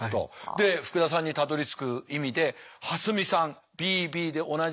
で福田さんにたどりつく意味で蓮見さんＢＢで同じでも合格。